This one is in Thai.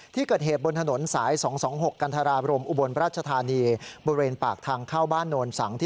ที่เกิดเหตุบนถนนสาย๒๒๖กรรษาล